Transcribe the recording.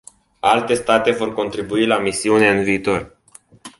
Alte state vor contribui la misiune în viitor.